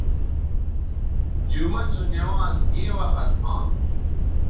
جمعہ سو نوانز کیں وخت ھاں